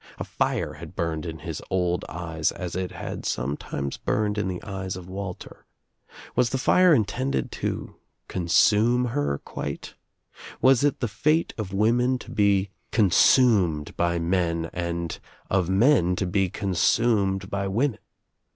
A fire had burned In , his old eyes as it had sometimes burned in the eyes of Walter. Was the fire intended to consimie her quite? 252 THE TRIUMPH OF THE EGG Was it the fate of woirlen to be consumed by men and of men to be consumed by women?